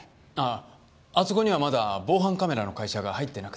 ああそこにはまだ防犯カメラの会社が入ってなくて。